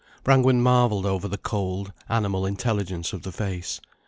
Brangwen marvelled over the cold, animal intelligence of the face.